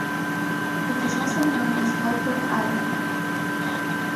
It is also known as Holbrook Island.